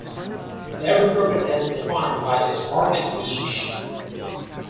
Every product can be defined by its market niche.